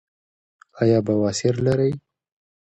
ایا بواسیر لرئ؟